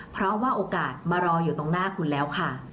เพราะว่าโอกาสมารออยู่ตรงหน้าคุณแล้วค่ะ